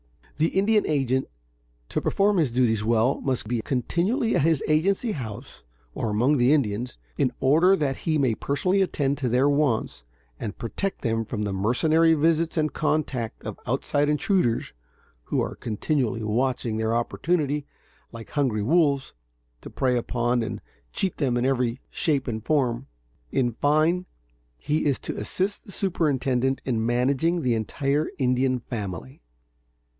The Indian agent, to perform his duties well, must be continually at his agency house, or among the Indians, in order that he may personally attend to their wants and protect them from the mercenary visits and contact of outside intruders, who are continually watching their opportunity, like hungry wolves, to prey upon and cheat them in every shape and form. In fine, he is to assist the superintendent in managing the entire Indian family.